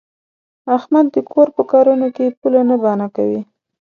احمد د کور په کارونو کې پوله نه بانه کوي.